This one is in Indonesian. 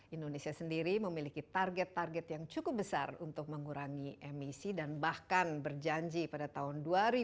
indonesia sendiri memiliki target target yang cukup besar untuk mengurangi emisi dan bahkan berjanji pada tahun dua ribu dua puluh